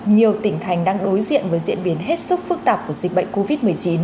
nhiều tỉnh thành đang đối diện với diễn biến hết sức phức tạp của dịch bệnh covid một mươi chín